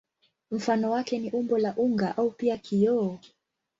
Mfano wake ni umbo la unga au pia kioo.